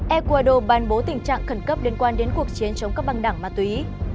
ecuador bàn bố tình trạng khẩn cấp liên quan đến cuộc chiến chống các băng đảng ma túy